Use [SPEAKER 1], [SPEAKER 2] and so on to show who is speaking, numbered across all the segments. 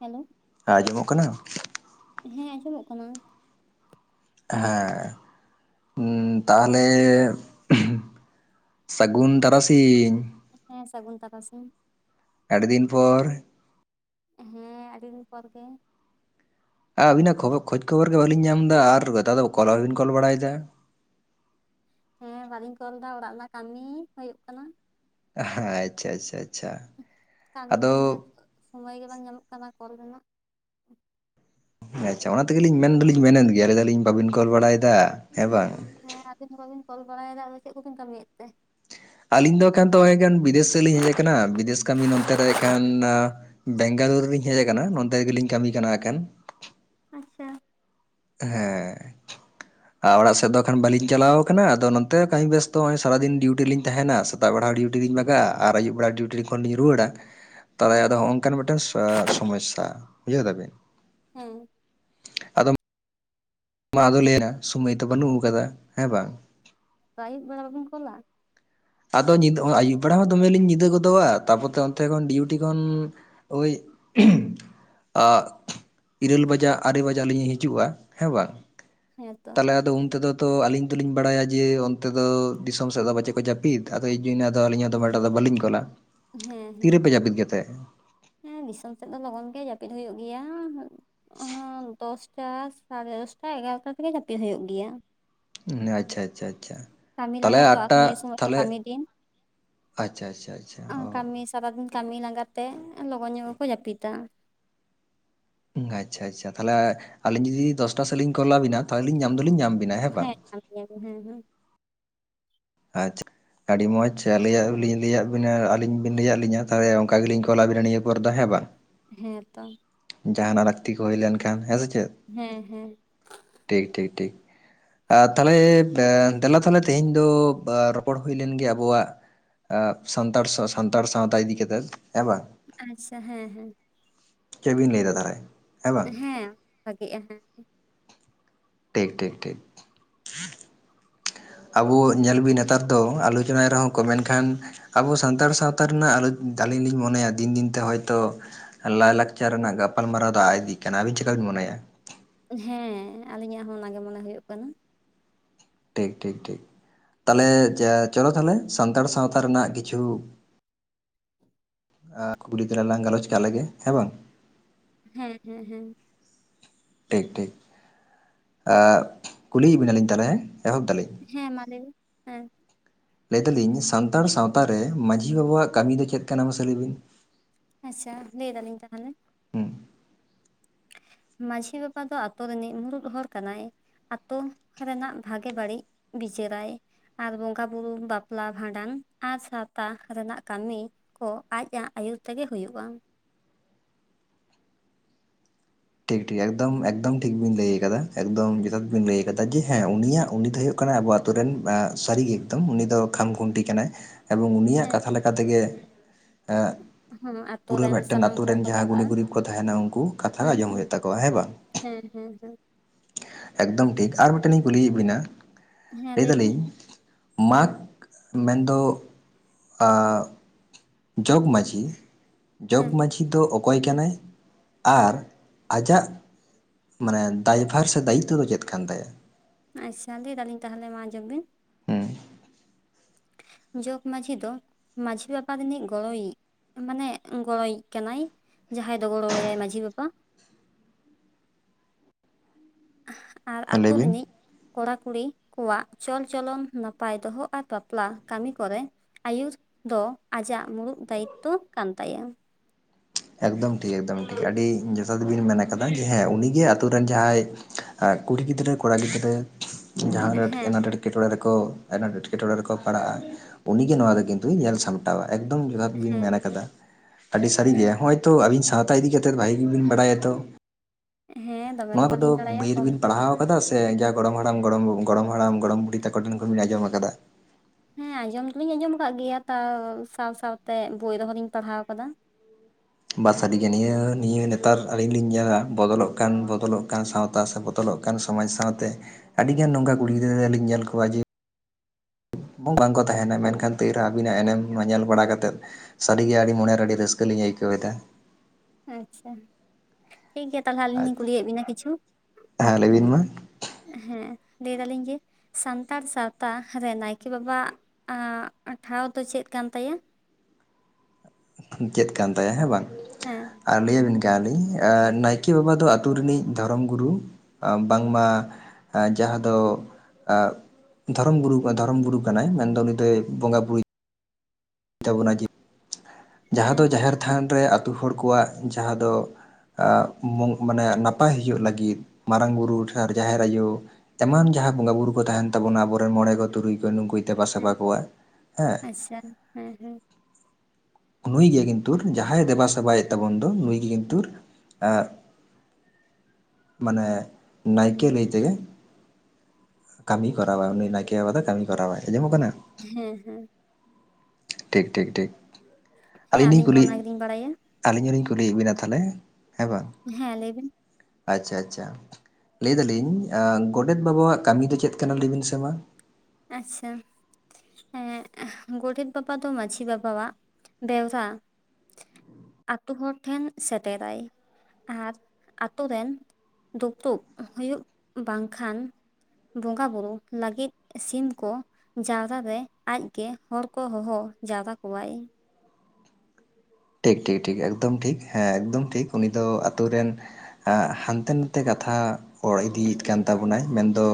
[SPEAKER 1] Hello.
[SPEAKER 2] ᱦᱮᱸ ᱟᱸᱡᱚᱢᱚᱜ ᱠᱟᱱᱟ?
[SPEAKER 1] ᱦᱮᱸ ᱟᱸᱡᱚᱢᱚᱜ ᱠᱟᱱᱟ᱾
[SPEAKER 2] ᱦᱮᱸ᱾ ᱩᱢ ᱛᱟᱦᱚᱞᱮ ᱩᱸᱦᱩ ᱥᱟᱜᱩᱱ ᱛᱟᱨᱟᱥᱤᱧ᱾
[SPEAKER 1] ᱦᱮᱸ ᱥᱟᱜᱩᱱ ᱛᱟᱨᱟᱥᱤᱧ᱾
[SPEAKER 2] ᱟᱰᱤ ᱫᱤᱱ ᱯᱚᱨ?
[SPEAKER 1] ᱦᱮᱸ ᱟᱹᱰᱤ ᱫᱤᱱ ᱯᱚᱨ ᱜᱮ ᱾
[SPEAKER 2] ᱟᱨ ᱟᱹᱵᱤᱱᱟᱜ ᱠᱷᱚᱵᱚᱨ ᱠᱷᱚᱡᱽ ᱠᱷᱚᱵᱚᱨ ᱜᱮ ᱵᱟᱹᱞᱤᱧ ᱧᱟᱢ ᱮᱫᱟ ᱟᱨ ᱱᱮᱛᱟᱨ ᱫᱚ ᱠᱚᱞ ᱦᱚ ᱵᱟᱵᱤᱱ ᱠᱚᱞ ᱵᱟᱲᱟᱭᱮᱫᱟ ᱾
[SPEAKER 1] ᱦᱮᱸ ᱵᱟᱹᱞᱤᱧ ᱠᱚᱞ ᱮᱫᱟ ᱚᱲᱟᱜ ᱨᱮᱱᱟᱜ ᱠᱟᱹᱢᱤ ᱦᱩᱭᱩᱜ ᱠᱟᱱᱟ ᱾
[SPEAKER 2] ᱦᱮᱸ ᱟᱪᱪᱷᱟ ᱟᱪᱪᱷᱟ ᱟᱪᱪᱷᱟ ᱾
[SPEAKER 1] ᱠᱟᱹᱢᱤ ᱫᱤᱱ ᱨᱮ ᱥᱚᱢᱚᱭ ᱜᱮ ᱵᱟᱝ ᱧᱟᱢᱚᱜ ᱠᱟᱱᱟ ᱠᱚᱞ ᱨᱮᱱᱟᱜ ᱾
[SPEAKER 2] ᱟᱪᱪᱷᱟ ᱾ ᱚᱱᱟ ᱛᱮᱜᱮ ᱞᱤᱧ ᱢᱮᱱ ᱫᱚ ᱞᱤᱧ ᱢᱮᱱ ᱮᱫ ᱜᱮᱭᱟ ᱢᱮᱱ ᱫᱟ ᱞᱤᱧ ᱵᱟᱵᱤᱱ ᱠᱚᱞ ᱵᱟᱲᱟᱭᱮᱫᱟ ᱦᱮᱸ ᱵᱟᱝ ᱾
[SPEAKER 1] ᱦᱮᱸ ᱟᱵᱤᱱ ᱦᱚ ᱵᱟᱵᱤᱱ ᱠᱚᱞ ᱵᱟᱲᱟᱭᱮᱫᱟ ᱾ ᱟᱫᱚ ᱪᱮᱫ ᱠᱚᱵᱤᱱ ᱠᱟᱹᱢᱤᱭᱮᱫ ᱛᱮ?
[SPEAKER 2] ᱟᱹᱞᱤᱧ ᱫᱚ ᱮᱠᱷᱟᱱ ᱫᱚ ᱠᱷᱟᱱ ᱵᱤᱫᱮᱥ ᱥᱮᱫ ᱞᱤᱧ ᱦᱮᱡ ᱟᱠᱟᱱᱟ ᱵᱤᱫᱮᱥ ᱠᱟᱹᱢᱤ ᱱᱚᱱᱛᱮ ᱨᱮ ᱮᱱᱠᱷᱟᱱ ᱵᱮᱝᱜᱟᱞᱳᱨ ᱞᱤᱧ ᱦᱮᱡ ᱟᱠᱟᱱᱟ ᱱᱚᱱᱛᱮ ᱨᱮ ᱜᱮᱞᱤᱧ ᱠᱟᱹᱢᱤ ᱠᱟᱱᱟ ᱮᱠᱷᱟᱱ
[SPEAKER 1] ᱟᱪᱪᱷᱟ ᱾
[SPEAKER 2] ᱦᱮᱸ ᱾ [inaudible] ᱟᱨ ᱚᱲᱟᱜ ᱥᱮᱫ ᱫᱚ ᱠᱷᱟᱱ ᱵᱟᱹᱞᱤᱧ ᱪᱟᱞᱟᱣ ᱟᱠᱟᱱᱟ ᱟᱫᱚ ᱱᱚᱱᱛᱮ ᱠᱟᱹᱢᱤ ᱵᱮᱥᱛᱚ ᱱᱚᱜᱼᱚᱭ ᱥᱟᱨᱟᱫᱤᱱ ᱰᱤᱭᱩᱴᱤ ᱞᱤᱧ ᱛᱟᱦᱮᱱᱟ ᱥᱮ ᱾ ᱥᱮᱛᱟᱜ ᱵᱮᱲᱟ ᱰᱤᱭᱩᱴᱤ ᱞᱤᱧ ᱵᱟᱜᱟᱜᱼᱟ ᱟᱨ ᱟᱹᱭᱩᱵ ᱵᱮᱲᱟ ᱰᱤᱭᱩᱴᱤ ᱠᱷᱚᱱᱤᱧ ᱨᱩᱣᱟᱹᱲᱟ ᱾ ᱛᱚᱵᱮ ᱟᱫᱚ
[SPEAKER 1] ᱦᱚᱸ
[SPEAKER 2] ᱦᱚᱸᱜ ᱱᱚᱝᱠᱟᱱ ᱢᱤᱫᱴᱮᱱ ᱥᱚᱢᱚᱥᱥᱟ ᱵᱩᱡᱷᱟᱹᱣ ᱫᱟᱵᱤᱱ ᱾
[SPEAKER 1] ᱦᱮᱸ᱾
[SPEAKER 2] ᱟᱫᱚ ᱢᱟ ᱟᱫᱚ ᱞᱟᱹᱭᱟ ᱥᱚᱢᱚᱭ ᱛᱚ ᱵᱟᱹᱱᱩᱜ ᱟᱠᱟᱫᱟ ᱦᱮᱸ ᱵᱟᱝ
[SPEAKER 1] ᱛᱚ ᱟᱹᱭᱩᱵ ᱵᱮᱲᱟ ᱵᱟᱵᱮᱱ ᱠᱚᱞᱟ?
[SPEAKER 2] ᱟᱫᱚ ᱧᱤᱫᱟᱹ ᱟᱹᱭᱩᱵ ᱵᱮᱲᱟ ᱦᱚᱸ ᱫᱚᱢᱮ ᱞᱤᱧ ᱧᱤᱫᱟᱹ ᱜᱚᱫᱚᱜᱼᱟ ᱛᱟᱯᱚᱨ ᱛᱮ ᱚᱱᱛᱮ ᱠᱷᱚᱱ ᱰᱤᱭᱩᱴᱤ ᱠᱷᱚᱱ ᱦᱳᱭ ᱤᱨᱟᱹᱞ ᱵᱟᱡᱟᱜ ᱤᱨᱟᱹᱞ ᱵᱟᱡᱟᱜ ᱟᱹᱞᱤᱧ ᱞᱤᱧ ᱦᱤᱡᱩᱜᱼᱟ ᱦᱮᱸ ᱵᱟᱝ ᱾
[SPEAKER 1] ᱦᱮᱸ ᱛᱚ
[SPEAKER 2] ᱛᱟᱦᱚᱞᱮ ᱟᱫᱚ ᱩᱱ ᱛᱮᱫᱚ ᱛᱚ ᱟᱞᱤᱧ ᱫᱚ ᱞᱤᱧ ᱵᱟᱲᱟᱭᱟ ᱡᱮ ᱚᱱᱛᱮ ᱫᱚ ᱫᱤᱥᱚᱢ ᱥᱮᱫ ᱫᱚ ᱯᱟᱪᱮᱫ ᱠᱚ ᱡᱟᱯᱤᱫ? ᱦᱟᱯᱤᱛ ᱟᱫᱚ ᱮᱭ ᱡᱟᱱᱱᱳ ᱟᱹᱞᱤ ᱦᱚ ᱫᱚᱢᱮ ᱮᱠᱴᱟ ᱫᱚ ᱵᱟᱹᱞᱤᱧ ᱠᱚᱞᱟ ᱾
[SPEAKER 1] ᱦᱮᱸ ᱦᱮᱸ ᱦᱮᱸ ᱾ ᱫᱤᱥᱚᱢ ᱥᱮᱫ ᱫᱚ ᱞᱚᱜᱚᱱ ᱜᱮ ᱡᱟᱹᱯᱤᱫ ᱦᱩᱭᱩᱜ ᱜᱮᱭᱟ ᱾ ᱫᱚᱥᱴᱟ ᱥᱟᱲᱮ ᱫᱚᱥᱴᱟ ᱮᱜᱟᱨᱚᱴᱟ ᱛᱮᱜᱮ ᱡᱟᱹᱯᱤᱫ ᱦᱩᱭᱩᱜ ᱜᱮᱭᱟ ᱾
[SPEAKER 2] ᱟᱪᱪᱷᱟ ᱟᱪᱪᱷᱟ ᱟᱪᱪᱷᱟ ᱾
[SPEAKER 1] ᱠᱟᱹᱢᱤ ᱞᱟᱸᱜᱟ ᱛᱚ ᱱᱤᱭᱟᱹ ᱥᱚᱢᱚᱭ ᱫᱚ ᱠᱟᱹᱢᱤ ᱫᱤᱱ
[SPEAKER 2] ᱟᱪᱪᱷᱟ ᱟᱪᱪᱷᱟ ᱟᱪᱪᱷᱟ ᱚ
[SPEAKER 1] ᱠᱟᱹᱢᱤ ᱥᱟᱨᱟᱫᱤᱱ ᱠᱟᱹᱢᱤ ᱞᱟᱸᱜᱟ ᱛᱮ ᱞᱚᱜᱚᱱ ᱧᱚᱜ ᱜᱮ ᱠᱚ ᱡᱟᱹᱯᱤᱫᱟ ᱾
[SPEAKER 2] ᱟᱪᱪᱷᱟᱪᱷᱟ ᱾ ᱛᱟᱦᱚᱞᱮ ᱟᱹᱞᱤᱧ ᱡᱩᱫᱤ ᱫᱚᱥᱴᱟ ᱥᱮᱫ ᱞᱤᱧ ᱠᱚᱞ ᱟᱵᱤᱱᱟ ᱛᱟᱦᱚᱞᱮ ᱧᱟᱢ ᱫᱚ ᱞᱤᱧ ᱧᱟᱢ ᱵᱤᱱᱟ ᱵᱟᱝ
[SPEAKER 1] ᱦᱮᱸ ᱾ ᱧᱟᱢ ᱜᱮ ᱾ ᱦᱮᱸ ᱦᱮᱸ ᱾
[SPEAKER 2] ᱟᱪᱪᱷᱟ ᱾ ᱟᱹᱰᱤ ᱢᱚᱡᱽ ᱟᱞᱮᱭᱟᱜ ᱞᱤᱧ ᱞᱟᱹᱭᱟᱫ ᱵᱮᱱᱟ ᱟᱹᱞᱤᱧ ᱵᱤᱱ ᱞᱟᱹᱭᱟᱫ ᱞᱤᱟᱹ ᱛᱟᱦᱚᱞᱮ ᱚᱱᱠᱟ ᱜᱮ ᱞᱤᱧ ᱠᱚᱞ ᱟᱵᱤᱱᱟ ᱱᱤᱭᱟᱹ ᱯᱚᱨ ᱫᱚ ᱾ ᱦᱮᱸ ᱵᱟᱝ
[SPEAKER 1] ᱦᱮᱸᱛᱚ ᱾
[SPEAKER 2] ᱡᱟᱦᱟᱱᱟᱜ ᱞᱟᱹᱠᱛᱤ ᱠᱚ ᱦᱩᱭ ᱞᱮᱱᱠᱷᱟᱱ ᱾ ᱦᱮᱸ ᱥᱮ ᱪᱮᱫ?
[SPEAKER 1] ᱦᱮᱸ ᱦᱮᱸ ᱾
[SPEAKER 2] ᱴᱷᱤᱠ ᱴᱷᱤᱠ ᱴᱷᱤᱠ ᱾ ᱟᱨ ᱛᱟᱦᱞᱮ ᱫᱮᱞᱟ ᱛᱟᱦᱚᱞᱮ ᱛᱮᱦᱮᱧ ᱫᱚ ᱨᱚᱯᱚᱲ ᱦᱩᱭ ᱞᱮᱱ ᱜᱮ ᱟᱵᱚᱣᱟᱜ ᱥᱟᱱᱛᱟᱲ ᱥᱟᱱᱛᱟᱲ ᱥᱟᱶᱛᱟ ᱤᱫᱤ ᱠᱟ ᱠᱟᱛᱮᱫ ᱾ ᱦᱮᱸ ᱵᱟᱝ?
[SPEAKER 1] ᱟᱪᱪᱷᱟ ᱾ᱦᱮᱸ ᱦᱮᱸ ᱾
[SPEAKER 2] ᱪᱮᱫ ᱵᱤᱱ ᱞᱟᱹᱭ ᱫᱟ ᱛᱟᱦᱚᱞᱮ?
[SPEAKER 1] ᱦᱮᱸ ᱾ ᱵᱷᱟᱜᱤᱜᱼᱟ ᱦᱮᱸ ᱾
[SPEAKER 2] ᱴᱷᱤᱠ ᱴᱷᱤᱠ ᱴᱷᱤᱠ ᱾ ᱟᱵᱚ ᱧᱮᱞ ᱵᱤᱱ ᱱᱮᱛᱟᱨ ᱫᱚ ᱟᱞᱳᱪᱚᱱᱟᱭ ᱨᱮᱦᱚᱸ ᱠᱚ ᱢᱮᱱ ᱠᱷᱟᱱ ᱟᱵᱚ ᱥᱟᱱᱛᱟᱲ ᱥᱟᱶᱛᱟ ᱨᱮᱱᱟᱜ ᱟᱹᱞᱤᱧ ᱞᱤᱧ ᱢᱚᱱᱮᱭᱟ ᱫᱤᱱ ᱫᱤᱱᱛᱮ ᱦᱚᱭᱛᱳ ᱞᱟᱭᱼᱞᱟᱠᱪᱟᱨ ᱨᱮᱱᱟᱜ ᱜᱟᱯᱟᱞᱢᱟᱨᱟᱣ ᱫᱚ ᱟᱭ ᱤᱫᱤᱜ ᱠᱟᱱᱟ ᱾ ᱟᱹᱵᱤᱱ ᱪᱤᱠᱟ ᱵᱤᱱ ᱢᱚᱱᱮᱭᱟ?
[SPEAKER 1] ᱦᱮᱸ ᱾ ᱟᱹᱞᱤᱧᱟᱜ ᱦᱚᱸ ᱚᱱᱟᱜᱮ ᱢᱚᱱᱮ ᱦᱩᱭᱩᱜ ᱠᱟᱱᱟ ᱾
[SPEAKER 2] ᱴᱷᱤᱠ ᱴᱷᱤᱠ ᱴᱷᱤᱠ ᱾ ᱛᱟᱦᱞᱮ ᱪᱚᱞᱚ ᱛᱟᱦᱞᱮ ᱥᱟᱱᱛᱟᱲ ᱥᱟᱶᱛᱟ ᱨᱮᱱᱟᱜ ᱠᱤᱪᱷᱩ ᱠᱩᱠᱞᱤ ᱛᱟᱞᱟᱝ ᱞᱟᱝ ᱜᱟᱞᱚᱪ ᱠᱟᱜ ᱜᱮ ᱾ ᱦᱮᱸ ᱵᱟᱝ?
[SPEAKER 1] ᱦᱮᱸ ᱦᱮᱸ ᱦᱮᱸ᱾
[SPEAKER 2] ᱴᱷᱤᱠ ᱴᱷᱤᱠ᱾ ᱟ ᱠᱩᱞᱤᱭᱮᱫ ᱵᱮᱱᱟᱞᱤᱧ ᱛᱟᱞᱦᱮ ᱮᱦᱚᱵ ᱫᱟᱞᱤᱧ᱾
[SPEAKER 1] ᱦᱮᱸ ᱢᱟ ᱞᱟᱹᱭ ᱵᱮ ᱦᱮᱸ᱾
[SPEAKER 2] ᱞᱟᱹᱭ ᱫᱟᱞᱤᱧ ᱥᱟᱱᱛᱟᱲ ᱥᱟᱶᱛᱟ ᱨᱮ ᱢᱟᱺᱡᱷᱤ ᱵᱟᱵᱟᱣᱟᱜ ᱠᱟᱹᱢᱤ ᱫᱚ ᱪᱮᱫ ᱠᱟᱱᱟ ᱢᱟᱥᱮ ᱞᱟᱹᱭ ᱵᱤᱱ?
[SPEAKER 1] ᱦᱩᱭ ᱥᱮ ᱞᱟᱹᱭ ᱫᱟᱞᱤᱧ ᱛᱟᱦᱚᱞᱮ
[SPEAKER 2] ᱦᱩᱸ
[SPEAKER 1] ᱢᱟᱺᱡᱷᱤ ᱵᱟᱵᱟ ᱫᱚ ᱟᱛᱳ ᱨᱤᱱᱤᱜ ᱢᱩᱲᱩᱫ ᱦᱚᱲ ᱠᱟᱱᱟᱭ᱾ ᱟᱛᱳ ᱨᱮᱱᱟᱜ ᱵᱷᱟᱜᱮ ᱵᱟᱹᱲᱤᱡ ᱵᱤᱪᱟᱹᱨᱟᱭ᱾ ᱟᱨ ᱵᱚᱸᱜᱟ ᱵᱩᱨᱩ ᱵᱟᱯᱞᱟ ᱵᱷᱟᱸᱰᱟᱱ ᱟᱨ ᱥᱟᱶᱛᱟ ᱨᱮᱱᱟᱜ ᱠᱟᱹᱢᱤ ᱠᱚ ᱟᱡ ᱟᱜ ᱟᱹᱭᱩᱨ ᱛᱮᱜᱮ ᱦᱩᱭᱩᱜᱼᱟ᱾
[SPEAKER 2] ᱴᱷᱤᱠ ᱴᱷᱤᱠ ᱮᱠᱫᱚᱢ ᱮᱠᱫᱚᱢ ᱴᱷᱤᱠ ᱵᱤᱱ ᱞᱟᱹᱭᱟᱠᱟᱫᱟ᱾ ᱮᱠᱫᱚᱢ ᱡᱚᱛᱷᱟᱛ ᱵᱤᱱ ᱞᱟᱹᱭᱟᱠᱟᱫᱟ, ᱡᱮ ᱦᱮᱸ ᱩᱱᱤᱭᱟᱜ ᱩᱱᱤ ᱫᱚ ᱦᱳᱭᱳᱜ ᱠᱟᱱᱟᱭ ᱟᱵᱚ ᱟᱛᱩ ᱨᱮᱱ ᱥᱟᱹᱨᱤ ᱜᱮ ᱮᱠᱫᱚᱢ ᱩᱱᱤ ᱫᱚ ᱠᱷᱟᱢ ᱜᱩᱱᱴᱤ ᱠᱟᱱᱟᱭ ᱾ ᱮᱵᱚᱝ ᱩᱱᱤᱭᱟᱜ
[SPEAKER 1] ᱦᱮᱸ
[SPEAKER 2] ᱠᱟᱛᱷᱟ ᱞᱮᱠᱟ ᱛᱮ ᱜᱮ ᱮᱜ
[SPEAKER 1] ᱦᱮᱸ ᱟᱛᱳ
[SPEAKER 2] ᱯᱩᱨᱟᱹ
[SPEAKER 1] ᱨᱮᱱ
[SPEAKER 2] ᱢᱤᱜᱴᱮᱱ
[SPEAKER 1] ᱥᱟᱱᱟᱢ ᱦᱚᱲ
[SPEAKER 2] ᱟᱛᱳᱨᱮᱱ
[SPEAKER 1] ᱠᱚ
[SPEAKER 2] ᱡᱟᱦᱟᱸ ᱜᱩᱱᱤ
[SPEAKER 1] ᱪᱟᱞᱟᱜᱼᱟ
[SPEAKER 2] ᱜᱩᱨᱤᱵ ᱠᱚ ᱛᱟᱦᱮᱱᱟ ᱩᱝᱠᱩ ᱠᱟᱛᱷᱟ ᱛᱷᱟ ᱠᱚ
[SPEAKER 1] ᱦᱩᱸ
[SPEAKER 2] ᱟᱸᱡᱚᱢ
[SPEAKER 1] ᱦᱩᱸ
[SPEAKER 2] ᱦᱩᱭᱩᱜ ᱛᱟᱠᱚᱣᱟ ᱦᱮᱸ ᱵᱟᱝ?
[SPEAKER 1] ᱦᱮᱸ ᱦᱮᱸ ᱦᱮᱸ
[SPEAKER 2] ᱮᱠᱫᱚᱢ ᱴᱷᱤᱠ᱾ ᱟᱨ ᱢᱤᱜᱴᱮᱱ ᱤᱧ ᱠᱩᱞᱤᱭᱮᱜ ᱵᱤᱱᱟ
[SPEAKER 1] ᱦᱮᱸ
[SPEAKER 2] ᱞᱟᱹᱭ
[SPEAKER 1] ᱵᱤᱱ
[SPEAKER 2] ᱫᱟᱞᱤᱧ ᱢᱟᱜᱽ ᱢᱮᱱᱫᱚ ᱟᱸ ᱡᱚᱜᱽᱢᱟᱺᱡᱷᱤ
[SPEAKER 1] ᱦᱮᱸ
[SPEAKER 2] ᱡᱚᱜᱽᱢᱟᱺᱡᱷᱤ ᱫᱚ ᱚ ᱠᱚᱭ ᱠᱟᱱᱟᱭ ᱟᱨ ᱟᱡᱟᱜ ᱢᱟᱱᱮ ᱫᱟᱭᱵᱷᱟᱨ ᱥᱮ ᱫᱟᱭᱤᱛᱛᱚ ᱫᱚ ᱪᱮᱫ ᱠᱟᱱ ᱛᱟᱭᱟ?
[SPEAKER 1] ᱟᱪᱷᱟ ᱞᱟᱹᱭ ᱫᱟᱞᱤᱧ ᱛᱟᱦᱚᱞᱮ ᱢᱟ ᱟᱡᱚᱢ ᱵᱤᱱ᱾
[SPEAKER 2] ᱦᱚᱸ᱾
[SPEAKER 1] ᱡᱚᱜᱽ ᱢᱟᱺᱡᱷᱤ ᱫᱚ ᱢᱟᱺᱡᱷᱤ ᱵᱟᱵᱟ ᱨᱤᱱᱤᱡ ᱜᱚᱲᱚᱭᱤᱡ ᱢᱟᱱᱮ ᱜᱚᱲᱚᱭᱤᱡ ᱠᱟᱱᱟᱭ ᱡᱟᱦᱟᱸᱭ ᱫᱚ ᱜᱚᱲᱚ ᱣᱟᱭᱟᱭ ᱢᱟᱺᱡᱷᱤ ᱵᱟᱵᱟ᱾ ᱟᱨ
[SPEAKER 2] ᱞᱟᱹᱭ
[SPEAKER 1] ᱟᱹᱛᱳ
[SPEAKER 2] ᱵᱤᱱ
[SPEAKER 1] ᱨᱤᱱᱤᱡ ᱠᱚᱲᱟ ᱠᱩᱲᱤ ᱠᱚᱣᱟᱜ ᱪᱚᱞ ᱪᱚᱞᱚᱱ ᱱᱟᱯᱟᱭ ᱫᱚᱦᱚ ᱟᱨ ᱵᱟᱯᱞᱟ ᱠᱟᱹᱢᱤ ᱠᱚᱨᱮ ᱟᱭᱩᱨ ᱫᱚ ᱟᱡᱟᱜ ᱢᱩᱬᱩᱫ ᱫᱟᱭᱤᱛᱛᱚ ᱠᱟᱱ ᱛᱟᱭᱟ᱾
[SPEAKER 2] ᱮᱠᱫᱚᱢ ᱴᱷᱤᱠ ᱮᱠᱫᱚᱢ ᱴᱷᱤᱠ ᱟᱹᱰᱤ ᱡᱚᱛᱷᱟᱛ ᱵᱤᱱ ᱢᱮᱱ ᱠᱟᱫᱟ ᱡᱮ ᱦᱮᱸ ᱩᱱᱤᱜᱮ ᱟᱛᱳ ᱨᱮᱱ ᱡᱟᱦᱟᱸᱭ ᱟ ᱠᱩᱲᱤ ᱜᱤᱫᱽᱨᱟᱹ ᱠᱚᱲᱟ ᱜᱤᱫᱽᱨᱟᱹ ᱡᱟᱦᱟᱱ ᱮᱰ
[SPEAKER 1] ᱦᱮᱸ
[SPEAKER 2] ᱮᱱᱟᱴ ᱮᱴᱠᱮᱴᱚᱬᱮ ᱨᱮᱠᱚ ᱮᱱᱟᱴ ᱮᱴᱠᱮᱴᱚᱬᱮ ᱨᱮᱠᱚ ᱯᱟᱲᱟᱜᱼᱟ, ᱩᱱᱤ ᱜᱮ ᱱᱚᱣᱟ ᱫᱚ ᱠᱤᱱᱛᱩᱭ ᱧᱮᱞ ᱥᱟᱢ ᱴᱟᱣᱟ ᱮᱠᱫᱚᱢ ᱡᱚᱛᱷᱟᱛ ᱵᱤᱱ
[SPEAKER 1] ᱦᱮᱸ
[SPEAKER 2] ᱢᱮᱱ
[SPEAKER 1] ᱦᱮᱸ
[SPEAKER 2] ᱠᱟᱫᱟ ᱟᱹᱰᱤ ᱥᱟᱹᱨᱤ ᱜᱮ ᱦᱚᱸᱜᱼᱚᱭ ᱛᱚ ᱟᱵᱤᱱ ᱥᱟᱶᱛᱟ ᱤᱫᱤ ᱠᱟᱛᱮᱫ ᱵᱷᱟᱜᱤ ᱜᱮᱵᱤᱱ ᱵᱟᱰᱟᱭᱟ ᱛᱚ
[SPEAKER 1] ᱦᱮᱸ ᱫᱚ
[SPEAKER 2] ᱱᱚᱣᱟ ᱠᱚᱫᱚ
[SPEAKER 1] ᱵᱟᱹᱞᱤᱧ ᱵᱟᱲᱟᱭᱟ
[SPEAKER 2] ᱵᱟᱹᱭ
[SPEAKER 1] ᱠᱚᱢ
[SPEAKER 2] ᱨᱮᱵᱤᱱ ᱯᱟᱲᱦᱟᱣ ᱠᱟᱫᱟ ᱥᱮ ᱡᱟ ᱜᱚᱲᱚᱢ ᱦᱟᱲᱟᱢ ᱜᱚᱲᱚᱢ ᱜᱚᱲᱚᱢ ᱦᱟᱲᱟᱢ ᱜᱚᱲᱚᱢ ᱵᱩᱰᱤ ᱛᱟᱠᱚ ᱴᱷᱮᱱ ᱠᱷᱚᱱ ᱵᱮᱱ ᱟᱸᱡᱚᱢ ᱠᱟᱫᱟ?
[SPEAKER 1] ᱦᱮᱸ ᱟᱸᱡᱚᱢ ᱫᱚᱞᱤᱧ ᱟᱸᱚᱢ ᱠᱟᱜ ᱜᱮᱭᱟ᱾ ᱛᱟᱣ ᱥᱟᱶ ᱥᱟᱶᱛᱮ ᱵᱚᱭ ᱨᱮᱦᱚᱸ ᱞᱤᱧ ᱯᱟᱲᱦᱟᱣ ᱠᱟᱫᱟ᱾
[SPEAKER 2] ᱵᱟ ᱥᱟᱹᱨᱤᱜᱮ ᱱᱤᱭᱟᱹ ᱱᱤᱭᱟᱹ ᱱᱮᱛᱟᱨ ᱟᱹᱞᱤᱧ ᱞᱤᱧ ᱧᱮᱞ ᱫᱟ ᱵᱚᱫᱚᱞᱚᱜ ᱠᱟᱱ ᱵᱚᱫᱚᱞᱚᱜ ᱠᱟᱱ ᱥᱟᱶᱛᱟ ᱥᱮ ᱵᱚ ᱫᱚᱞᱚᱜ ᱠᱟᱱ ᱥᱚᱢᱟᱡᱽ ᱥᱟᱶᱛᱮ ᱟᱹᱰᱤᱜᱮ ᱱᱚᱝᱠᱟ ᱠᱩᱲᱤ ᱜᱤᱫᱽᱨᱟᱹ ᱞᱤᱧ ᱧᱮᱞ ᱠᱚᱣᱟ ᱡᱮ ᱵᱟᱝᱠᱚ ᱛᱟᱦᱮᱱᱟ ᱢᱮᱱᱠᱷᱟᱱ ᱛᱟᱹᱭ ᱨᱮᱦᱚᱸ ᱟᱹᱵᱤᱱᱟᱜ ᱮᱱᱮᱢ ᱧᱮᱞ ᱵᱟᱲᱟ ᱠᱟᱛᱮᱫ ᱥᱟᱹᱨᱤᱜᱮ ᱟᱹᱰᱤ ᱢᱚᱱᱮᱨᱮ ᱟᱹᱰᱤ ᱨᱟᱹᱥᱠᱟᱹ ᱞᱤᱧ ᱟᱹᱭᱠᱟᱹᱣᱮᱫᱟ᱾
[SPEAKER 1] ᱟᱪᱷᱟ ᱴᱷᱤᱠᱜᱮᱭᱟ ᱛᱟᱞᱦᱮ ᱟᱹᱞᱤᱧ ᱞᱤᱧ ᱠᱩᱞᱤᱭᱮᱜ ᱵᱤᱱᱟ ᱠᱤᱪᱷᱩ?
[SPEAKER 2] ᱦᱮᱸ ᱞᱟᱹᱭ ᱵᱤᱱ ᱢᱟ
[SPEAKER 1] ᱦᱮᱸ ᱞᱟᱹᱭ ᱫᱟᱞᱤᱧ ᱡᱮ ᱥᱟᱱᱛᱟᱲ ᱥᱟᱶᱛᱟ ᱨᱮ ᱱᱟᱭᱠᱮ ᱵᱟᱵᱟᱣᱟᱜ ᱟᱸᱜ ᱴᱷᱟᱶ ᱫᱚ ᱪᱮᱫ ᱠᱟᱱ ᱛᱟᱭᱟ?
[SPEAKER 2] ᱪᱮᱫ ᱠᱟᱱ ᱛᱟᱭᱟ ᱦᱮᱸ ᱵᱟᱝ?
[SPEAKER 1] ᱦᱮᱸ᱾
[SPEAKER 2] ᱟᱨ ᱞᱟᱹᱭᱟ ᱵᱤᱱ ᱠᱟᱱᱟ ᱞᱤᱧ ᱱᱟᱭᱠᱮ ᱵᱟᱵᱟ ᱫᱚ ᱟᱛᱳ ᱨᱤᱱᱤᱡ ᱫᱷᱚᱨᱚᱢ ᱜᱩᱨᱩ ᱵᱟᱝᱢᱟ ᱡᱟᱦᱟᱸ ᱫᱚ ᱟ ᱫᱷᱚᱨᱚᱢ ᱜᱩᱨᱩ ᱫᱷᱚᱨᱚᱢ ᱵᱩᱨᱩ ᱠᱟᱱᱟᱭ ᱢᱮᱱᱫᱚ ᱩᱱᱤ ᱫᱚᱭ ᱵᱚᱸᱜᱟ ᱵᱩᱭ ᱛᱟᱵᱩᱱᱟ ᱡᱮ ᱡᱟᱦᱟᱸ
[SPEAKER 1] ᱦᱮᱸ
[SPEAKER 2] ᱫᱚ ᱡᱟᱦᱮᱨ ᱛᱷᱟᱱ ᱨᱮ ᱟᱛᱳ ᱦᱚᱲ ᱠᱚᱣᱟᱜ ᱡᱟᱦᱟᱸ ᱫᱚ ᱟᱸᱜ ᱢᱚᱝ ᱢᱟᱱᱮ ᱱᱟᱯᱟᱭ ᱦᱩᱭᱩᱜ ᱞᱟᱹᱜᱤᱫ ᱢᱟᱨᱟᱝ ᱵᱩᱨᱩ ᱴᱷᱮᱱ ᱟᱨ ᱡᱟᱦᱮᱨ ᱟᱭᱳ ᱮᱢᱟᱱ ᱡᱟᱦᱟᱸ ᱵᱚᱸᱜᱟ ᱵᱩᱨᱩ ᱠᱚ ᱛᱟᱦᱮᱱ ᱛᱟᱵᱚᱱᱟ ᱟᱵᱚᱨᱮᱱ ᱢᱚᱬᱮ ᱠᱚ ᱛᱩᱨᱩᱭ ᱠᱚ ᱱᱩᱝᱠᱩᱭ
[SPEAKER 1] ᱦᱮᱸ [unintelligible] ᱟᱪᱪᱷᱟ ᱦᱮᱸ ᱦᱮᱸᱼᱼ
[SPEAKER 2] ᱱᱩᱭ ᱜᱮ ᱠᱤᱱᱛᱩ ᱡᱟᱦᱟᱸᱭ ᱫᱮᱵᱟ ᱥᱮᱵᱟᱭᱮᱜ ᱛᱟᱵᱚᱱ ᱫᱚ ᱱᱩᱭ ᱜᱮ ᱠᱤᱱᱛᱩᱼᱼ ᱢᱟᱱᱮ ᱱᱟᱭᱠᱮ ᱞᱟᱹᱭ ᱛᱮᱜᱮᱼᱼ ᱠᱟᱹᱢᱤ ᱠᱚᱨᱟᱣᱟᱭ ᱩᱱᱤ ᱱᱟᱭᱠᱮ ᱵᱟᱵᱟ ᱫᱚ ᱠᱟᱹᱢᱤ ᱠᱚᱨᱟᱟᱣᱟᱭ᱾ ᱟᱸᱡᱚᱢᱚᱜ ᱠᱟᱱᱟ?
[SPEAKER 1] ᱦᱮᱸ ᱦᱮᱸ᱾
[SPEAKER 2] ᱴᱷᱤᱠ ᱴᱷᱤᱠ ᱴᱷᱤᱠ᱾
[SPEAKER 1] ᱦᱮᱸ
[SPEAKER 2] ᱟᱹᱞᱤᱧ ᱞᱤᱧ
[SPEAKER 1] ᱦᱚᱸ
[SPEAKER 2] ᱠᱩᱞᱤᱭᱮᱫ
[SPEAKER 1] ᱚᱱᱟ ᱜᱮᱞᱤᱧ ᱵᱟᱲᱟᱭᱟ
[SPEAKER 2] [unintelligible] ᱟᱹᱞᱤᱧ ᱦᱚᱞᱤᱧ ᱠᱩᱞᱤᱭᱮᱫ ᱵᱤᱱᱟ ᱛᱟᱦᱚᱞᱮ ᱦᱮᱸ ᱵᱟᱝᱼᱼ
[SPEAKER 1] ᱦᱮᱸ ᱞᱟᱹᱭᱵᱤᱱᱼᱼ
[SPEAKER 2] ᱟᱪᱪᱷᱟ ᱟᱪᱪᱷᱟᱼᱼ ᱞᱟᱹᱭ ᱮᱫᱟᱞᱤᱧ ᱜᱚᱰᱮᱛ ᱵᱟᱵᱟᱣᱟᱜ ᱠᱟᱹᱢᱤ ᱫᱚ ᱪᱮᱫ ᱠᱟᱱᱟ ᱞᱟᱹᱭᱵᱤᱱ ᱥᱮᱢᱟ?
[SPEAKER 1] ᱟᱪᱪᱷᱟ ᱾ ᱦᱮᱸ ᱜᱚᱰᱮᱛ ᱵᱟᱵᱟ ᱫᱚ ᱢᱟᱺᱡᱷᱤ ᱵᱟᱵᱟᱣᱟᱜ ᱵᱮᱣᱨᱟᱼᱼ ᱟᱹᱛᱩ ᱦᱚᱲ ᱴᱷᱮᱱ ᱥᱮᱴᱮᱨᱟᱭ᱾ ᱟᱨ ᱟᱛᱳ ᱨᱮᱱ ᱫᱩᱯᱲᱩᱵ ᱦᱩᱭᱩᱜ ᱵᱟᱝᱠᱷᱟᱱᱼᱼ ᱵᱚᱸᱜᱟ ᱵᱩᱨᱩ ᱞᱟᱹᱜᱤᱫᱼᱼ ᱥᱤᱢ ᱠᱚ ᱡᱟᱣᱨᱟ ᱨᱮ ᱟᱡᱜᱮ ᱦᱚᱲ ᱠᱚ ᱦᱚᱦᱚ ᱡᱟᱣᱨᱟ ᱠᱚᱣᱟᱭ᱾
[SPEAKER 2] ᱴᱷᱤᱠ ᱴᱷᱤᱠ ᱴᱷᱤᱠ ᱮᱠᱫᱚᱢ ᱴᱷᱤᱠ ᱦᱮᱸ ᱮᱠᱫᱚᱢ ᱴᱷᱤᱠ ᱩᱱᱤ ᱫᱚ ᱟᱹᱛᱩ ᱨᱮᱱᱼᱼ ᱦᱟᱱᱛᱮ ᱱᱟᱛᱮ ᱠᱟᱛᱷᱟᱼᱼ ᱦᱚᱭ ᱤᱫᱤᱭᱤᱫ ᱠᱟᱱ ᱛᱟᱵᱚᱱᱟᱭ ᱢᱮᱱᱫᱚ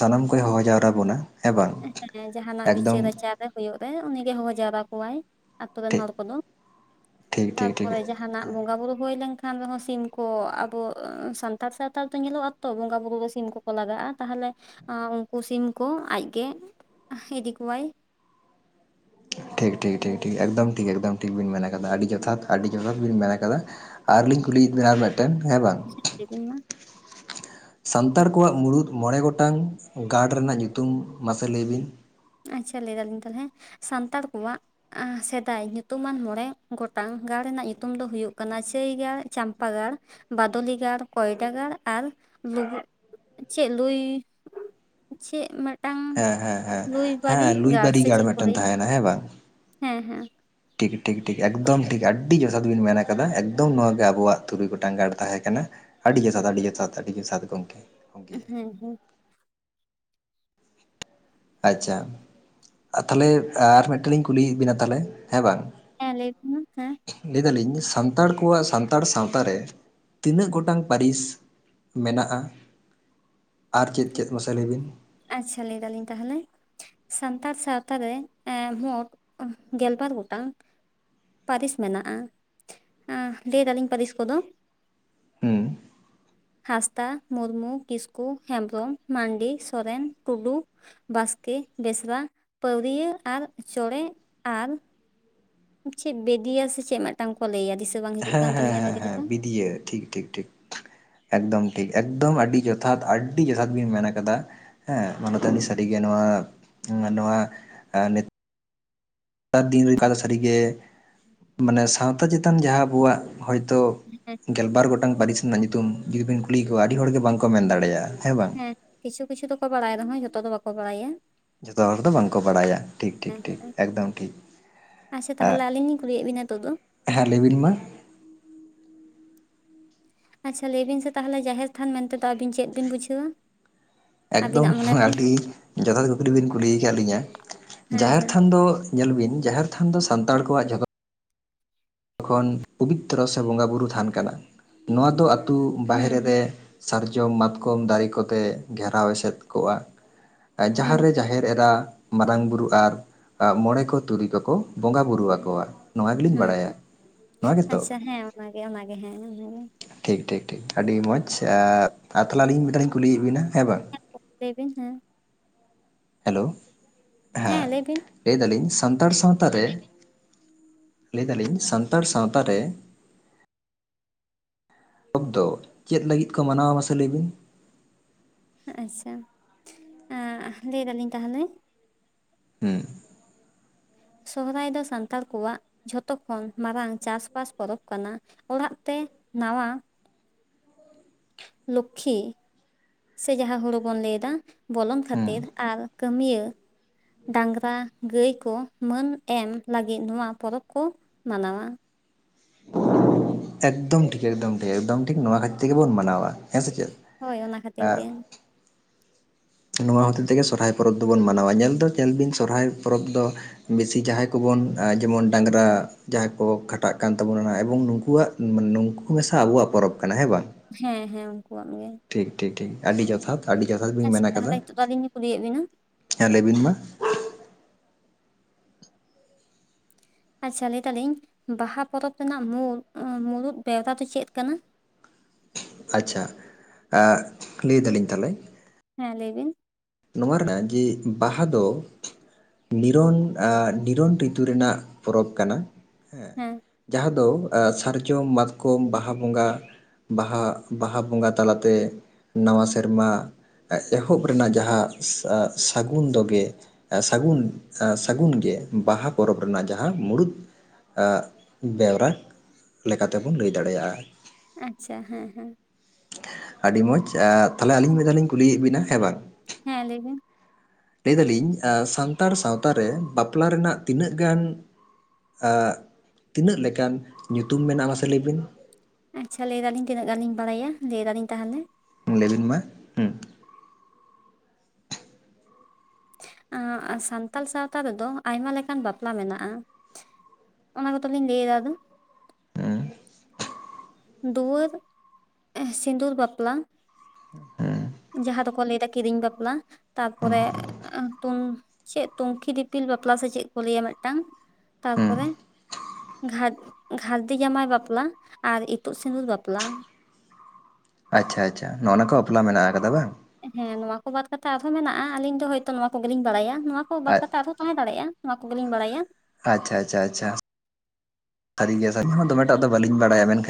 [SPEAKER 2] ᱥᱟᱱᱟᱢ ᱠᱚᱭ ᱦᱚᱦᱚ ᱡᱟᱣᱨᱟ ᱵᱚᱱᱟ᱾ ᱦᱮᱸ ᱵᱟᱝ
[SPEAKER 1] ᱦᱮᱸ ᱡᱟᱦᱟᱱᱟᱜ
[SPEAKER 2] ᱮᱠᱫᱚᱢ
[SPEAKER 1] ᱵᱤᱪᱟᱹᱨ ᱟᱪᱟᱨᱼᱼ ᱦᱩᱭᱩᱜ ᱨᱮ ᱩᱱᱤᱜᱮ ᱦᱚᱦᱚ ᱡᱟᱣᱨᱟ ᱠᱚᱣᱟᱭ ᱟᱛᱳ ᱨᱮᱱ
[SPEAKER 2] ᱴᱷᱤᱠ
[SPEAKER 1] ᱦᱚᱲ ᱠᱚᱫᱚ
[SPEAKER 2] ᱴᱷᱤᱠ
[SPEAKER 1] [unintelligible]
[SPEAKER 2] ᱴᱷᱤᱠ ᱴᱷᱤᱠ
[SPEAKER 1] ᱛᱟᱨᱯᱚᱨᱮᱼᱼ ᱡᱟᱦᱟᱸ ᱡᱟᱦᱱᱟᱜ ᱵᱚᱸᱜᱟ ᱵᱩᱨᱩ ᱦᱳᱭ ᱞᱮᱱᱠᱷᱟᱱ ᱨᱮᱦᱚᱸ ᱥᱤᱢ ᱠᱚ ᱟᱵᱚ ᱥᱟᱱᱛᱟᱲ ᱥᱟᱶᱛᱟᱲ ᱫᱚ ᱧᱮᱞᱚᱜᱼᱟᱼᱼ ᱛᱚ ᱵᱚᱸᱜᱟ ᱵᱩᱨᱩ ᱫᱚ ᱥᱤᱢ ᱠᱚᱠᱚ ᱞᱟᱜᱟᱜᱼᱟ ᱛᱟᱦᱚᱞᱮ ᱩᱱᱠᱩ ᱥᱤᱢ ᱠᱚ ᱟᱡᱼᱼ ᱜᱮ [unintelligible] ᱤᱫᱤ ᱠᱚᱣᱟᱭ᱾
[SPEAKER 2] ᱴᱷᱤᱠ ᱴᱷᱤᱠ ᱴᱷᱤᱠ ᱴᱷᱤᱠ ᱮᱠᱫᱚᱢ ᱴᱷᱤᱠ ᱮᱠᱫᱚᱢ ᱴᱷᱤᱠ ᱵᱤᱱ ᱢᱮᱱ ᱠᱟᱫᱟ ᱟᱹᱰᱤ ᱡᱚᱛᱷᱟᱛ ᱟᱹᱰᱤ ᱡᱚᱛᱷᱟᱛ ᱵᱤᱱ ᱢᱮᱱ ᱠᱟᱫᱟ᱾ ᱟᱨᱞᱤᱧ ᱠᱩᱞᱤᱭᱮᱫ ᱵᱮᱱᱟ ᱟᱨ ᱢᱤᱫᱴᱮᱱ ᱦᱮᱸ ᱵᱟᱝᱼᱼ
[SPEAKER 1] ᱞᱟᱭ ᱞᱮᱵᱤᱱ ᱢᱟᱼᱼ
[SPEAKER 2] ᱥᱟᱱᱛᱟᱲ ᱠᱚᱣᱟᱜ ᱢᱩᱬᱩᱫ ᱢᱚᱬᱮ ᱜᱚᱴᱟᱝ ᱜᱟᱲ ᱨᱮᱱᱟᱜ ᱧᱩᱛᱩᱢ ᱢᱟᱥᱮ ᱞᱟᱹᱭ ᱵᱤᱱ?
[SPEAKER 1] ᱟᱪᱪᱷᱟ ᱞᱟᱹᱭ ᱮᱫᱟᱞᱤᱧ ᱛᱟᱦᱚᱞᱮ ᱥᱟᱱᱛᱟᱲ ᱠᱚᱣᱟᱜᱼᱼ ᱥᱮᱫᱟᱭ ᱧᱩᱛᱩᱢᱟᱱ ᱢᱚᱬᱮ ᱜᱚᱴᱟᱝ ᱜᱟᱲ ᱨᱮᱱᱟᱜ ᱧᱩᱛᱩᱢ ᱫᱚ ᱦᱩᱭᱩᱜ ᱠᱟᱱᱟ ᱪᱟᱹᱭᱜᱟᱲ, ᱪᱟᱢᱯᱟᱜᱟᱲᱼᱼ ᱵᱟᱫᱽᱞᱤ ᱜᱟᱲ, ᱠᱚᱭᱰᱟ ᱜᱟᱲ ᱟᱨ ᱪᱮᱫ [unintelligible] ᱼᱼ ᱪᱮᱫ ᱢᱤᱫᱴᱟᱝᱼᱼ
[SPEAKER 2] ᱦᱮᱸ ᱦᱮᱸ ᱦᱮᱸ ᱦᱮᱸ ᱞᱩᱭᱵᱟᱨᱤ ᱜᱟᱲ
[SPEAKER 1] ᱪᱮᱫ ᱠᱚ
[SPEAKER 2] ᱢᱤᱫᱴᱮᱱ
[SPEAKER 1] ᱞᱟᱹᱭᱟ
[SPEAKER 2] ᱛᱟᱦᱮᱱᱟ ᱦᱮᱸ ᱵᱟᱝᱼᱼ
[SPEAKER 1] ᱦᱮᱸ ᱦᱮᱸ
[SPEAKER 2] ᱴᱷᱤᱠ ᱴᱷᱤᱠ ᱴᱷᱤᱠ ᱮᱠᱫᱚᱢ ᱴᱷᱤᱠ ᱟᱹᱰᱤ ᱡᱚᱛᱷᱟᱛ ᱵᱤᱱ ᱢᱮᱱ ᱠᱟᱫᱟ ᱮᱠᱫᱚᱢ ᱱᱚᱣᱟᱜ ᱜᱮ ᱟᱵᱚᱣᱟᱜ ᱛᱩᱨᱩᱭ ᱜᱚᱴᱟᱝ ᱜᱟᱲ ᱛᱟᱦᱮᱸ ᱠᱟᱱᱟ᱾ ᱟᱹᱰᱤ ᱡᱚᱛᱷᱟᱛ ᱟᱹᱰᱤ ᱡᱚᱛᱷᱟᱛ ᱟᱹᱰᱤ ᱡᱚᱛᱷᱟᱛ ᱜᱚᱢᱠᱮ᱾ ᱜᱚᱢᱠᱮ
[SPEAKER 1] ᱦᱩᱸ ᱦᱩᱸ᱾
[SPEAKER 2] ᱟᱪᱪᱷᱟ [unintelligible] ᱛᱟᱦᱚᱞᱮ ᱟᱨ ᱢᱤᱫᱴᱟᱝ ᱞᱤᱧ ᱠᱩᱞᱤᱭᱮᱫ ᱵᱤᱱᱟ ᱛᱟᱦᱚᱞᱮ ᱦᱮᱸ ᱵᱟᱝᱼᱼ
[SPEAKER 1] ᱦᱮᱸ ᱞᱟᱹᱭ ᱵᱤᱱ ᱢᱟ ᱦᱮᱸᱼᱼ
[SPEAKER 2] ᱞᱟᱹᱭ ᱮᱫᱟᱞᱤᱧ ᱥᱟᱱᱛᱟᱲ ᱠᱚᱣᱟᱜ ᱥᱟᱱᱛᱟᱲ ᱥᱟᱶᱛᱟ ᱨᱮ ᱛᱤᱱᱟᱹᱜ ᱜᱚᱴᱟᱝ ᱯᱟᱹᱨᱤᱥᱼᱼ ᱢᱮᱱᱟᱜᱼᱟ ᱟᱨ ᱪᱮᱫ ᱪᱮᱫ ᱢᱟᱥᱮ ᱞᱟᱹᱭ ᱵᱤᱱ?
[SPEAKER 1] ᱟᱪᱪᱷᱟ ᱞᱟᱹᱭ ᱫᱟᱞᱤᱧ ᱛᱟᱦᱚᱞᱮᱼᱼ ᱥᱟᱱᱛᱟᱲ ᱥᱟᱶᱛᱟ ᱨᱮ ᱢᱳᱴ ᱜᱮᱞᱵᱟᱨ ᱜᱚᱴᱟᱝᱼᱼ ᱯᱟᱹᱨᱤᱥ ᱢᱮᱱᱟᱜᱼᱟ᱾ ᱞᱟᱹᱭ ᱮᱫᱟᱞᱤᱧ ᱯᱟᱹᱨᱤᱥ ᱠᱚᱫᱚᱼᱼ
[SPEAKER 2] ᱦᱮᱸ
[SPEAKER 1] ᱦᱟᱸᱥᱫᱟ, ᱢᱩᱨᱢᱩ, ᱠᱤᱥᱠᱩ, ᱦᱮᱢᱵᱨᱚᱢ, ᱢᱟᱱᱰᱤ, ᱥᱚᱨᱮᱱ, ᱴᱩᱰᱩᱼᱼ ᱵᱟᱥᱠᱮ, ᱵᱮᱥᱨᱟ, ᱯᱟᱹᱣᱨᱤᱭᱟᱹ ᱟᱨ ᱪᱚᱸᱬᱮ ᱟᱨᱼᱼ ᱪᱮᱫ ᱵᱮᱫᱤᱭᱟ ᱥᱮ ᱪᱮᱫ ᱢᱤᱫᱴᱟᱝ ᱠᱚ ᱞᱟᱹᱭᱟ᱾ ᱵᱟᱝ ᱦᱤᱡᱩᱜ
[SPEAKER 2] ᱦᱮᱸ
[SPEAKER 1] ᱠᱟᱱ
[SPEAKER 2] ᱦᱮᱸ
[SPEAKER 1] ᱛᱟᱹᱞᱤᱧᱟ
[SPEAKER 2] ᱦᱮᱸ
[SPEAKER 1] ᱵᱷᱟᱹᱜᱤ
[SPEAKER 2] ᱦᱮᱸ
[SPEAKER 1] ᱞᱮᱠᱟ
[SPEAKER 2] ᱵᱤᱫᱤᱭᱟᱹ ᱴᱷᱤᱠ ᱴᱷᱤᱠ ᱴᱷᱤᱠ᱾ ᱮᱠᱫᱚᱢ ᱴᱷᱤᱠ ᱮᱠᱫᱚᱢ ᱟᱹᱰᱤ ᱡᱚᱛᱷᱟᱛ ᱟᱹᱰᱤ ᱡᱚᱛᱷᱟᱛ ᱵᱤᱱ ᱢᱮᱱ ᱠᱟᱫᱟ᱾ ᱦᱮᱸ ᱢᱟᱱᱚᱛᱟᱱᱤ ᱥᱟᱹᱨᱤᱜᱭᱟ ᱱᱚᱣᱟ ᱱᱚᱣᱟᱼᱼ ᱟᱨ ᱫᱤᱱ ᱨᱮ ᱚᱠᱟ ᱥᱟᱹᱨᱤ ᱜᱮ ᱢᱟᱱᱮ ᱥᱟᱶᱛᱟ ᱪᱮᱛᱟᱱ ᱡᱟᱦᱟᱸ ᱟᱵᱚᱣᱟᱜ ᱦᱚᱭᱛᱚ
[SPEAKER 1] [inaudible]
[SPEAKER 2] ᱜᱮᱞᱵᱟᱨ ᱜᱚᱴᱟᱝ ᱯᱟᱹᱨᱤᱥ ᱨᱮᱱᱟᱜ ᱧᱩᱛᱩᱢ ᱡᱩᱫᱤ ᱵᱤᱱ ᱠᱩᱞᱤ ᱠᱚᱣᱟ ᱟᱹᱰᱤ ᱦᱚᱲ ᱜᱮ ᱵᱟᱝᱠᱚ ᱢᱮᱱ ᱫᱟᱲᱮᱭᱟᱜᱼᱟ᱾ ᱦᱮᱸ ᱵᱟᱝ
[SPEAKER 1] ᱠᱤᱪᱷᱩ ᱠᱤᱪᱷᱩ ᱫᱚᱠᱚ ᱵᱟᱲᱟᱭ ᱨᱮᱦᱚᱸ ᱡᱚᱛᱚ ᱫᱚ ᱵᱟᱠᱚ ᱵᱟᱲᱟᱭᱟ᱾
[SPEAKER 2] ᱡᱷᱚᱛᱚ ᱦᱚᱲ ᱫᱚ ᱵᱟᱝᱠᱚ ᱵᱟᱲᱟᱭᱟ ᱴᱷᱤᱠ ᱴᱷᱤᱠ
[SPEAKER 1] ᱦᱮᱸ
[SPEAKER 2] ᱴᱷᱤᱠ
[SPEAKER 1] ᱦᱮᱸ
[SPEAKER 2] ᱮᱠᱫᱚᱢ ᱴᱷᱤᱠ᱾
[SPEAKER 1] ᱟᱪᱪᱷᱟ ᱛᱟᱦᱚᱞᱮ ᱞᱤᱧ ᱠᱩᱞᱤᱭᱮᱫ ᱵᱤᱱᱟ ᱱᱤᱛᱚᱜ ᱫᱚ
[SPEAKER 2] ᱦᱮᱸ ᱞᱟᱹᱭᱵᱤᱱ ᱢᱟ
[SPEAKER 1] ᱟᱪᱪᱷᱟ ᱞᱟᱹᱭ ᱵᱤᱱ ᱥᱮ ᱛᱟᱦᱚᱞᱮ ᱡᱟᱦᱮᱨ ᱛᱷᱟᱱ ᱢᱮᱱᱛᱮᱫᱚ ᱟᱵᱤᱱ ᱪᱮᱫ ᱵᱤᱱ ᱵᱩᱡᱷᱟᱹᱣᱟ?
[SPEAKER 2] ᱮᱠᱫᱚᱢ
[SPEAKER 1] ᱟᱹᱵᱤᱱᱟᱜ ᱢᱚᱱᱮᱛᱮ
[SPEAKER 2] ᱟᱹᱰᱤ ᱡᱚᱛᱷᱟᱛ ᱠᱩᱠᱞᱤ ᱵᱤᱱ ᱠᱩᱞᱤᱭᱟᱠᱟᱫ ᱞᱤᱧᱟᱹ,
[SPEAKER 1] ᱦᱮᱸ
[SPEAKER 2] ᱡᱟᱦᱮᱨ
[SPEAKER 1] ᱦᱮᱸ
[SPEAKER 2] ᱛᱷᱟᱱ ᱫᱚ ᱧᱮᱞ ᱵᱤᱱ ᱡᱟᱦᱮᱨ ᱛᱷᱟᱱ ᱫᱚ ᱥᱟᱱᱛᱟᱲ ᱠᱚᱣᱟᱜ ᱡᱚᱛᱚ ᱡᱚᱠᱷᱚᱱ ᱯᱚᱵᱤᱛᱨᱚ ᱥᱮ ᱵᱚᱸᱜᱟ ᱵᱩᱨᱩ ᱛᱟᱱ ᱠᱟᱱᱟ᱾ ᱱᱚᱣᱟ ᱫᱚ ᱟᱛᱳ
[SPEAKER 1] ᱦᱩᱸ
[SPEAKER 2] ᱵᱟᱦᱨᱮ
[SPEAKER 1] ᱦᱩᱸ
[SPEAKER 2] ᱨᱮ ᱥᱟᱨᱡᱚᱢ, ᱢᱟᱛᱠᱚᱢ ᱫᱟᱨᱮ ᱠᱚᱛᱮ ᱜᱷᱮᱨᱟᱣ ᱮᱥᱮᱫ ᱠᱚᱜᱼᱟ᱾
[SPEAKER 1] ᱦᱩᱸ
[SPEAKER 2] ᱡᱟᱦᱮᱨ ᱨᱮ ᱡᱟᱦᱮᱨ ᱮᱨᱟ ᱢᱟᱨᱟᱝ ᱵᱩᱨᱩ ᱟᱨ ᱢᱚᱬᱮ ᱠᱚ ᱛᱩᱨᱩᱭ ᱠᱚᱠᱚ ᱵᱚᱸᱜᱟ ᱵᱩᱨᱩ ᱟᱠᱚᱣᱟ, ᱱᱚᱣᱟ ᱜᱮᱞᱤᱧ
[SPEAKER 1] ᱦᱩᱸ
[SPEAKER 2] ᱵᱟᱲᱟᱭᱟ᱾
[SPEAKER 1] ᱦᱩᱸ
[SPEAKER 2] ᱱᱚᱣᱟ ᱜᱮᱛᱚ
[SPEAKER 1] ᱟᱪᱪᱷᱟ ᱦᱮᱸ ᱚᱱᱟᱜᱮ ᱚᱱᱟᱜᱮ ᱦᱮᱸ ᱚᱱᱟᱜᱮ
[SPEAKER 2] ᱴᱷᱤᱠ ᱴᱷᱤᱠ ᱴᱷᱤᱠ ᱟᱹᱰᱤ ᱢᱚᱸᱡᱽ ᱟᱨ ᱛᱟᱦᱚᱞᱮ ᱟᱹᱞᱤᱧ ᱢᱤᱫᱴᱟᱝ ᱞᱤᱧ ᱠᱩᱞᱤᱭᱮᱫ ᱵᱤᱱᱟ ᱦᱮᱸ ᱵᱟᱝ
[SPEAKER 1] ᱞᱟᱹᱭ ᱵᱤᱱ ᱦᱮᱸ
[SPEAKER 2] ᱦᱮᱞᱳ ᱦᱮᱸ
[SPEAKER 1] ᱞᱟᱹᱭ ᱵᱤᱱ
[SPEAKER 2] ᱞᱟᱹᱭ ᱫᱟᱞᱤᱧ ᱥᱟᱱᱛᱟᱲ ᱥᱟᱶᱛᱟ ᱨᱮ, ᱞᱟᱹᱭ ᱫᱟᱞᱤᱧ ᱥᱟᱱᱛᱟᱲ ᱥᱟᱶᱛᱟ ᱨᱮ ᱩᱯᱫᱚ ᱪᱮᱫ ᱞᱟᱹᱜᱤᱫ ᱠᱚ ᱢᱟᱱᱟᱣᱟ ᱢᱟᱥᱮ ᱞᱟᱹᱭ ᱵᱤᱱ
[SPEAKER 1] ᱟᱪᱪᱷᱟ ᱟ ᱞᱟᱹᱭ ᱫᱟᱞᱤᱧ ᱛᱟᱦᱚᱞᱮ
[SPEAKER 2] ᱦᱩᱸ
[SPEAKER 1] ᱥᱚᱦᱚᱨᱟᱭ ᱫᱚ ᱥᱟᱱᱛᱟᱲ ᱠᱚᱣᱟᱜ ᱡᱷᱚᱛᱚ ᱠᱷᱚᱱ ᱢᱟᱨᱟᱝ ᱪᱟᱥᱵᱟᱥ ᱯᱚᱨᱚᱵᱽ ᱠᱟᱱᱟ᱾ ᱚᱲᱟᱜ ᱛᱮ ᱱᱟᱣᱟ ᱞᱩᱠᱠᱷᱤ ᱥᱮ ᱡᱟᱦᱟᱸ ᱦᱩᱲᱩ ᱵᱚᱱ ᱞᱟᱹᱭ ᱮᱫᱟ ᱵᱚᱞᱚᱱ
[SPEAKER 2] ᱦᱩᱸ
[SPEAKER 1] ᱠᱷᱟᱹᱛᱤᱨ ᱟᱨ ᱠᱟᱹᱢᱤᱭᱟᱹ ᱰᱟᱝᱨᱟ ᱜᱟᱹᱭ ᱠᱚ ᱢᱟᱹᱱ ᱮᱢ ᱞᱟᱹᱜᱤᱫ ᱱᱚᱣᱟ ᱯᱚᱨᱚᱵᱽ ᱠᱚ ᱢᱟᱱᱟᱣᱟ᱾
[SPEAKER 2] ᱮᱠᱫᱚᱢ ᱴᱷᱤᱠ ᱮᱠᱫᱚᱢ ᱴᱷᱤᱠ ᱮᱠᱫᱚᱢ ᱴᱷᱤᱠ ᱱᱚᱣᱟ ᱠᱷᱟᱹᱛᱤᱨ ᱜᱮᱵᱚᱱ ᱢᱟᱱᱟᱣᱟ᱾ ᱦᱮᱸ ᱥᱮ ᱪᱮᱫ
[SPEAKER 1] ᱦᱳᱭ ᱚᱱᱟ ᱠᱷᱟᱹᱛᱤᱨ ᱜᱮ
[SPEAKER 2] ᱱᱚᱣᱟ ᱦᱚᱛᱮᱡ ᱛᱮᱜᱮ ᱥᱚᱨᱦᱟᱭ ᱯᱚᱨᱚᱵᱽ ᱫᱚᱵᱚᱱ ᱢᱟᱱᱟᱣᱟ ᱧᱮᱞ ᱫᱚ ᱧᱮᱞ ᱵᱤᱱ ᱥᱚᱨᱦᱟᱭ ᱯᱚᱨᱚᱵᱽ ᱫᱚ ᱵᱤᱥᱤ ᱡᱟᱦᱟᱸᱭ ᱠᱚ ᱵᱚᱱ ᱡᱮᱢᱚᱱ ᱰᱟᱝᱨᱟ ᱡᱟᱦᱟᱸᱭ ᱠᱚ ᱠᱷᱟᱴᱟᱜ ᱠᱟᱱ ᱛᱟᱵᱚᱱᱟ ᱮᱵᱚᱝ ᱱᱩᱠᱩᱣᱟᱜ ᱱᱩᱝᱠᱩ ᱢᱮᱥᱟ ᱟᱵᱚᱣᱟᱜ ᱯᱚᱨᱚᱵᱽ ᱠᱟᱱᱟ ᱦᱮᱸ ᱵᱟᱝ
[SPEAKER 1] ᱦᱮᱸ ᱦᱮᱸ ᱩᱱᱠᱩᱣᱟᱜ ᱜᱮ᱾
[SPEAKER 2] ᱴᱷᱤᱠ ᱴᱷᱤᱠ ᱴᱷᱤᱠ ᱟᱹᱰᱤ ᱡᱚᱛᱷᱟᱛ ᱟᱹᱰᱤ ᱡᱚᱛᱷᱟᱛ ᱵᱤᱱ
[SPEAKER 1] ᱟᱪᱪᱷᱟ ᱛᱟᱦᱚᱞᱮ
[SPEAKER 2] ᱟᱠᱟᱫᱟ
[SPEAKER 1] ᱱᱤᱛᱚᱜ ᱫᱚ ᱟᱹᱞᱤᱧ ᱠᱩᱞᱤᱭᱮᱫ ᱵᱤᱱᱟ
[SPEAKER 2] ᱦᱮᱸ ᱞᱟᱹᱭ ᱵᱤᱱ ᱢᱟ
[SPEAKER 1] ᱟᱪᱪᱷᱟ ᱞᱟᱹᱭ ᱫᱟᱞᱤᱧ ᱵᱟᱦᱟ ᱯᱚᱨᱚᱵᱽ ᱨᱮᱱᱟᱜ ᱢᱩᱲ ᱢᱩᱲᱩᱫ ᱵᱮᱣᱨᱟ ᱫᱚ ᱪᱮᱫ ᱠᱟᱱᱟ?
[SPEAKER 2] ᱟᱪᱪᱷᱟ ᱮᱸᱻᱜ ᱞᱟᱹᱭ ᱫᱟᱞᱤᱧ ᱛᱟᱦᱚᱞᱮ
[SPEAKER 1] ᱦᱮᱸ ᱞᱟᱹᱭ ᱵᱤᱱ
[SPEAKER 2] ᱱᱚᱣᱟ ᱨᱮᱱᱟᱜ ᱡᱮ ᱵᱟᱦᱟ ᱫᱚ ᱱᱤᱨᱚᱱ ᱟ ᱱᱤᱨᱚᱱ ᱨᱤᱛᱩ ᱨᱮᱱᱟᱜ ᱯᱚᱨᱚᱵᱽ ᱠᱟᱱᱟ ᱦᱮᱸ ᱡᱟᱦᱟᱸ ᱫᱚ ᱫᱚ ᱥᱟᱨᱡᱚᱢ, ᱢᱟᱛᱠᱚᱢ ᱵᱟᱦᱟ ᱵᱚᱸᱜᱟ ᱵᱟᱦᱟ ᱵᱟᱦᱟ ᱵᱚᱸᱜᱟ ᱛᱟᱞᱟᱛᱮ ᱱᱟᱣᱟ ᱥᱮᱨᱢᱟ ᱮᱦᱚᱵ ᱨᱮᱱᱟᱜ ᱡᱟᱦᱟᱸ ᱥᱟ ᱥᱟᱹᱜᱩᱱ ᱫᱚ ᱜᱮ ᱥᱟᱹᱜᱩᱱ, ᱥᱟᱹᱜᱩᱱ ᱜᱮ ᱵᱟᱦᱟ ᱯᱚᱨᱚᱵᱽ ᱨᱮᱱᱟᱜ ᱡᱟᱦᱟᱸ ᱢᱩᱲᱩᱫ ᱟᱜ ᱵᱮᱣᱨᱟ ᱞᱮᱠᱟᱛᱮ ᱵᱚᱱ ᱞᱟᱹᱭ ᱫᱟᱲᱮᱭᱟᱜ-ᱟ᱾
[SPEAKER 1] ᱟᱪᱪᱷᱟ ᱾ᱦᱮᱸ ᱦᱮᱸ
[SPEAKER 2] ᱟᱹᱰᱤ ᱢᱚᱡᱽ᱾ᱛᱟᱦᱚᱞᱮ ᱟᱹᱞᱤᱧ ᱢᱤᱫ ᱫᱷᱟᱣ ᱞᱤᱧ ᱠᱩᱞᱤᱭᱮᱫ ᱵᱤᱱᱟ ᱦᱮᱸ ᱵᱟᱝ
[SPEAKER 1] ᱦᱮᱸ ᱞᱟᱹᱭ ᱵᱮᱱ
[SPEAKER 2] ᱞᱟᱹᱭ ᱫᱟᱞᱤᱧ ᱥᱟᱱᱛᱟᱲ ᱥᱟᱶᱛᱟ ᱨᱮ ᱵᱟᱯᱞᱟ ᱨᱮᱱᱟᱜ ᱛᱤᱱᱟᱹᱜ ᱜᱟᱱ ᱟᱜ ᱛᱤᱱᱟᱹᱜ ᱞᱮᱠᱟᱱ ᱧᱩᱛᱩᱢ ᱢᱮᱱᱟᱜ ᱢᱥᱮ ᱞᱟᱹᱭ ᱵᱮᱱ᱾
[SPEAKER 1] ᱟᱪᱪᱷᱟ ᱞᱟᱹᱭ ᱫᱟᱞᱤᱧ ᱛᱤᱱᱟᱹᱜ ᱜᱟᱱᱤᱧ ᱵᱟᱲᱟᱭᱟ ᱞᱟᱹᱭᱮᱫᱟᱞᱤᱧ ᱛᱟᱦᱚᱞᱮ᱾
[SPEAKER 2] ᱞᱟᱹᱭᱵᱤᱱ ᱢᱟ ᱦᱩᱸ᱾
[SPEAKER 1] ᱮ ᱥᱟᱱᱛᱟᱞ ᱥᱟᱶᱛᱟ ᱨᱮᱫᱚ ᱟᱭᱢᱟ ᱞᱮᱠᱟᱱ ᱵᱟᱯᱞᱟ ᱢᱮᱱᱟᱜᱼᱟ᱾ ᱚᱱᱟ ᱠᱚᱛᱚ ᱞᱤᱧ ᱞᱟᱹᱭᱫᱟ ᱟᱫᱚ
[SPEAKER 2] ᱦᱩᱸ
[SPEAKER 1] ᱫᱩᱭᱟᱹᱨ ᱥᱤᱫᱩᱨ ᱵᱟᱯᱞᱟ᱾
[SPEAKER 2] ᱦᱮᱸ᱾
[SPEAKER 1] ᱡᱟᱦᱟᱸ ᱫᱚᱠᱚ ᱞᱟᱹᱭᱫᱟ ᱠᱤᱨᱤᱧ ᱵᱟᱯᱞᱟ, ᱛᱟᱨᱯᱚᱨᱮ ᱛᱩᱱ ᱪᱮᱫ ᱛᱩᱱᱠᱷᱤ ᱫᱤᱯᱤᱞ ᱵᱟᱯᱞᱟ ᱥᱮ ᱪᱮᱫ ᱠᱚ ᱞᱟᱹᱭᱟ, ᱢᱤᱫᱴᱟᱝ
[SPEAKER 2] ᱦᱩᱸ
[SPEAKER 1] ᱛᱟᱨᱯᱚᱨᱮ, ᱜᱷᱟ ᱜᱷᱟᱨᱫᱤ ᱡᱟᱢᱟᱭ ᱵᱟᱯᱞᱟ ᱟᱨ ᱤᱛᱩᱫ ᱥᱤᱸᱫᱩᱨ ᱵᱟᱯᱞᱟ᱾
[SPEAKER 2] ᱟᱪᱪᱷᱟ ᱟᱪᱪᱷᱟ ᱱᱚᱜᱼᱚᱭ ᱱᱚᱣᱟ ᱠᱚ ᱵᱟᱯᱞᱟ ᱢᱮᱱᱟᱜ ᱟᱠᱟᱫᱟ ᱵᱟᱝ?
[SPEAKER 1] ᱦᱮᱸ ᱱᱚᱣᱟ ᱠᱚ ᱵᱟᱫ ᱠᱟᱛᱮᱜ ᱟᱨᱦᱚᱸ ᱢᱮᱱᱟᱜᱼᱟ, ᱟᱞᱤᱧ ᱫᱚ ᱦᱳᱭᱛᱚ ᱱᱚᱣᱟ ᱠᱚᱜᱮᱞᱤᱧ ᱵᱟᱲᱟᱭᱟ ᱱᱚᱣᱟ ᱠᱚ ᱵᱟᱫ ᱠᱟᱛᱮᱜ ᱟᱨᱦᱚᱸ ᱛᱟᱦᱮᱸ ᱫᱟᱲᱮᱭᱟᱜᱼᱟ, ᱚᱱᱟ ᱠᱚᱜᱮᱞᱤᱧ ᱵᱟᱲᱟᱭᱟ᱾
[SPEAKER 2] ᱟᱪᱪᱷᱟ ᱟᱪᱪᱷᱟ ᱟᱪᱪᱷᱟ ᱥᱟᱹᱨᱤ ᱜᱮᱭᱟ ᱥᱟᱹᱨ ᱦᱚᱸ ᱫᱚᱢᱮᱴᱟᱜ ᱫᱚ ᱵᱟᱟᱹᱞᱤᱧ ᱵᱟᱲᱟᱭᱟ ᱢᱮᱱᱠᱷᱟᱱ